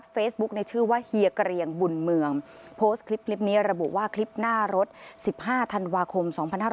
เฟซบุ๊คในชื่อว่าเฮียเกรียงบุญเมืองโพสต์คลิปนี้ระบุว่าคลิปหน้ารถ๑๕ธันวาคม๒๕๕๙